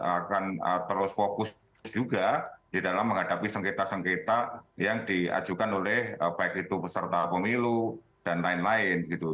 akan terus fokus juga di dalam menghadapi sengketa sengketa yang diajukan oleh baik itu peserta pemilu dan lain lain